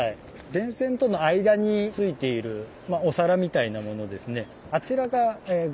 電線との間についているお皿みたいなものですね。